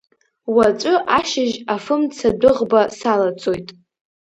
Уаҵәы ашьыжь афымцадәыӷба салацоит.